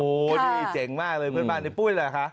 โอ้โหนี่เจ๋งมากเลยเพื่อนบ้านในปุ้ยเหรอคะ